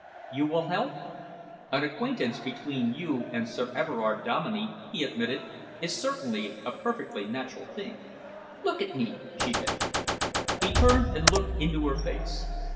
You will help?" "An acquaintance between you and Sir Everard Dominey," he admitted, "is certainly a perfectly natural thing." "Look at me," she begged. He turned and looked into her face.